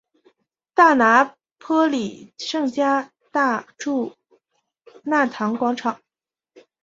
大拿坡里圣加大肋纳堂广场。